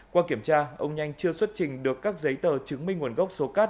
qua kiểm tra ông nhanh chưa xuất trình được các giấy tờ chứng minh nguồn gốc số cát